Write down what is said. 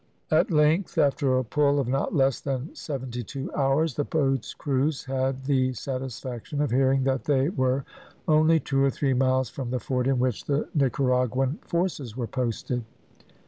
At length, after a pull of not less than seventy two hours, the boats' crews had the satisfaction of hearing that they were only two or three miles from the fort in which the Nicaraguan forces were posted.